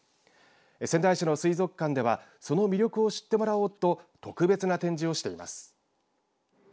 仙台市の水族館ではその魅力を知ってもらおうと特別な展示をしています。